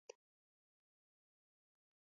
ميرويس خان وويل: شک يې واخيست!